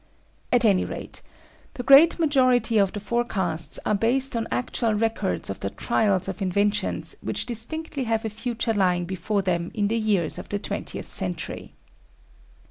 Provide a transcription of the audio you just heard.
At any rate, the great majority of the forecasts are based on actual records of the trials of inventions which distinctly have a future lying before them in the years of the twentieth century.